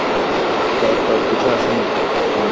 জ্বর-টর কিচ্ছু আসেনি।